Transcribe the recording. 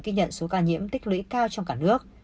ghi nhận số ca nhiễm tích lũy cao trong cả nước